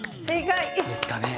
いいですかね？